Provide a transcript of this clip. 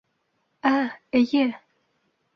Ә, эйе!